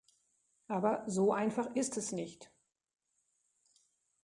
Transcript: Aber, so einfach ist es nicht.